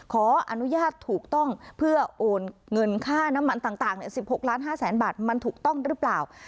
ขออนุญาตถูกต้องเพื่อโอนเงินค่าน้ำมันต่าง๑๖ล้าน๕แสนบาทมันถูกต้องหรือเปล่า